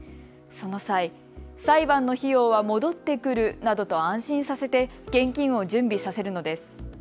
その際、裁判の費用は戻ってくるなどと安心させて現金を準備させるのです。